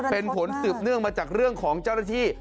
เป็นผลสืบเนื่องมาจากเรื่องของเจ้าหน้าที่